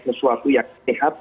sesuatu yang sehat